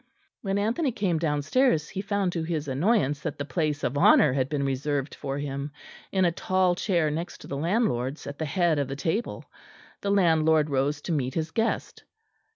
When Anthony came downstairs he found to his annoyance that the place of honour had been reserved for him in a tall chair next to the landlord's at the head of the table. The landlord rose to meet his guest.